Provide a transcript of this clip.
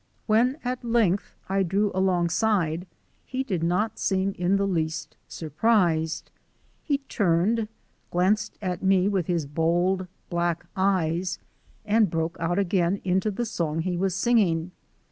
When at length I drew alongside he did not seem in the least surprised. He turned, glanced at me with his bold black eyes, and broke out again into the song he was singing.